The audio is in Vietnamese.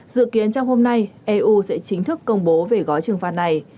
dự kiến trong hôm nay eu sẽ chính thức công bố về gói trừng phạt này